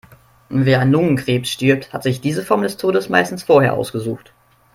Wer an Lungenkrebs stirbt, hat sich diese Form des Todes meistens vorher ausgesucht.